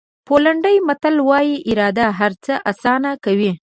پولنډي متل وایي اراده هر څه آسانه کوي.